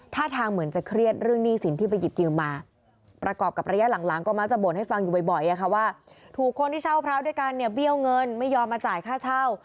ท่าทางเหมือนจะเครียดเรื่องหนี้สินที่ไปหยิบยืมมาประกอบกับระยะหลังก็มักจะบ่นให้ฟังอยู่บ่อยว่าถูกคนที่เช่าพร้าวด้วยกันเนี่ยเบี้ยวเงินไม่ยอมมาจ่ายค่าเช่า